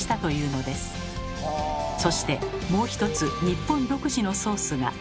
そしてもう一つ日本独自のソースが。